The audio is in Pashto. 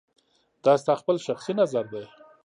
دا ستا خپل شخصي نظر دی